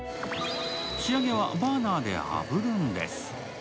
仕上げは、バーナーであぶるんです